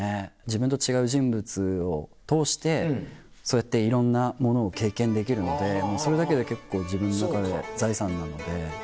自分と違う人物を通してそうやっていろんなものを経験できるのでもうそれだけで結構自分の中で財産なので。